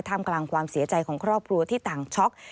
มกลางความเสียใจของครอบครัวที่ต่างช็อก